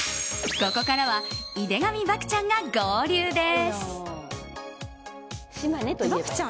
ここからは井手上漠ちゃんが合流です。